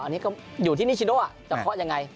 อันนี้ก็อยู่ที่นิชิโนจะเคาะยังไง